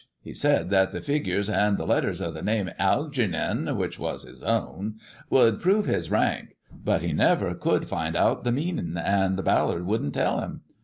He said that the figures and the letters of the name Algeernon, which was his own, would prove his rank ; but he never could find out the meaning, and Ballard wouldn't tell him.